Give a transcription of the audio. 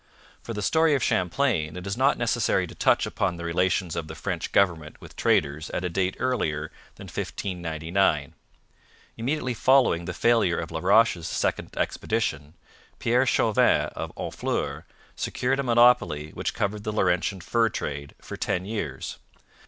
For the story of Champlain it is not necessary to touch upon the relations of the French government with traders at a date earlier than 1599. Immediately following the failure of La Roche's second expedition, Pierre Chauvin of Honfleur secured a monopoly which covered the Laurentian fur trade for ten years.